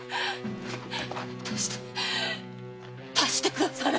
出して出してくだされ！